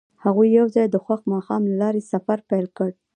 هغوی یوځای د خوښ ماښام له لارې سفر پیل کړ.